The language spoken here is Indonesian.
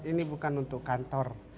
ini bukan untuk kantor